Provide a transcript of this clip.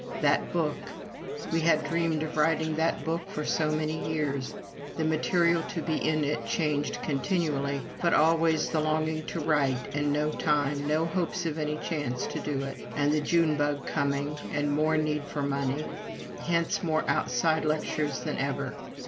That Book we had dreamed of writing that book for so many years the material to be in it changed continually, but always the longing to write, and no time, no hopes of any chance to do it. And the June Bug coming, and more need for money hence more outside lectures than ever.